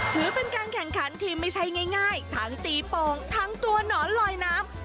ถือเป็นการแข่งขันที่ไม่ใช่ง่ายทั้งตีโป่งทั้งตัวหนอนลอยน้ำ